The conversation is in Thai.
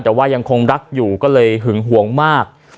แต่ว่ายังคงรักอยู่ก็เลยหึงหวงมาก